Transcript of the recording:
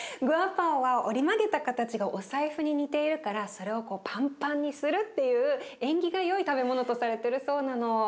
グアバオは折り曲げた形がお財布に似ているからそれをこうパンパンにするっていう縁起が良い食べ物とされてるそうなの。